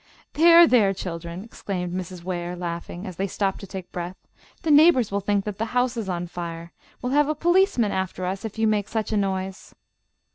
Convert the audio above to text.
"There, there, children!" exclaimed Mrs. Ware, laughingly, as they stopped to take breath. "The neighbours will think that the house is on fire. We'll have a policeman after us if you make such a noise."